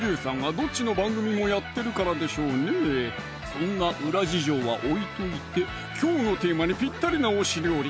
そんな裏事情は置いといてきょうのテーマにぴったりな推し料理